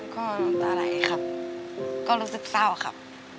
ก็น้ำตาไหลครับก็รู้สึกเศร้าครับ